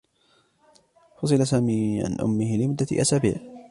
فُصِلَ سامي عن أمّه لمدّة أسابيع.